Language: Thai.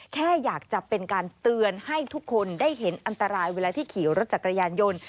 แค่อยากจะเป็นการเตือนให้ทุกคนได้เห็นอันตรายเวลาที่ขี่รถจักรยานยนต์